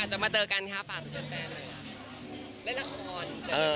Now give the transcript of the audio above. เราจะมาเจอกันค่ะฝากสุดเมื่อไหร่เล่นละคร